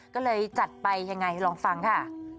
ก็เลยจัดไปยังไงลองฟังค่ะ